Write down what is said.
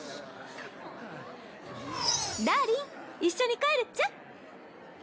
ダーリン一緒に帰るっちゃ。